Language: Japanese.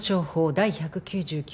第１９９条